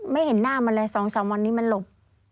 เห็นหน้ามันเลย๒๓วันนี้มันหลบ